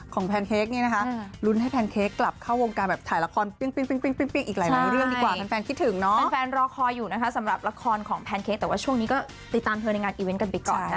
ก็อยากให้เขาได้กลับมาทำเหมือนกัน